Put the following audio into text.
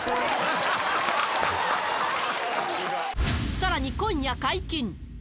さらに今夜解禁。